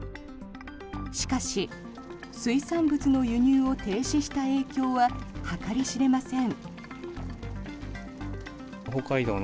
しかし、水産物の輸入を停止した影響は計り知れません。